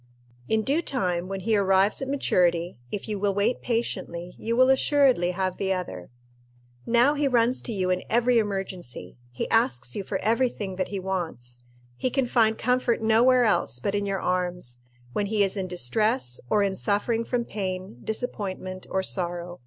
In due time, when he arrives at maturity, if you will wait patiently, you will assuredly have the other. Now he runs to you in every emergency. He asks you for every thing that he wants. He can find comfort nowhere else but in your arms, when he is in distress or in suffering from pain, disappointment, or sorrow.